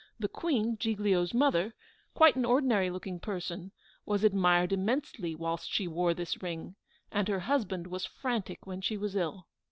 The Queen, Giglio's mother, quite an ordinary looking person, was admired immensely whilst she wore this ring, and her husband was frantic when she was ill.